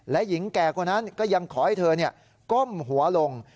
และหญิงแก่คนนั้นก็ยังขอให้เธอก้มหัวลง